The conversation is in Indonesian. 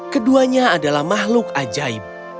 keduanya adalah makhluk ajaib